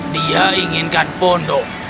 dia inginkan pondok